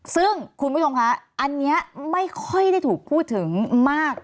ซึ่งคุณผู้ชมคะอันนี้ไม่ค่อยได้ถูกพูดถึงมาก